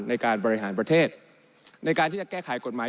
ในการบริหารประเทศในการที่จะแก้ไขกฎหมาย